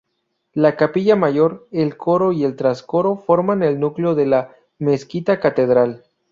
La capilla Mayor, el coro y el trascoro, forman el núcleo de la Mezquita-Catedral.